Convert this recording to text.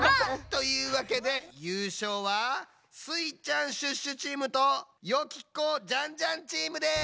というわけでゆうしょうはスイちゃん＆シュッシュチームとよき子＆ジャンジャンチームです！